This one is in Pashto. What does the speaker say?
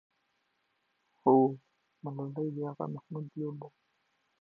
ملالۍ د اغا محمد لور ده.